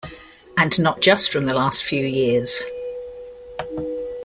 And not just from the last few years.